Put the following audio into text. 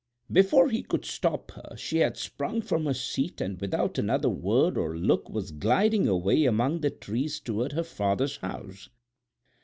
Before he could stop her she had sprung from her seat and without another word or look was gliding away among the trees toward her father's house.